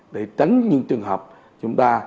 để tránh những trường hợp chúng ta